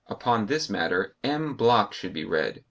Upon this matter M. Bloch should be read.